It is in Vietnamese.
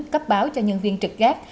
cấp báo cho nhân viên trực gác